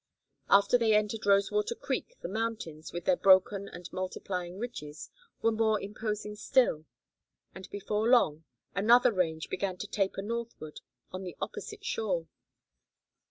After they entered Rosewater Creek the mountains with their broken and multiplying ridges were more imposing still, and before long another range began to taper northward on the opposite shore.